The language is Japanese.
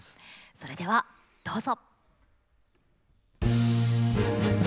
それではどうぞ。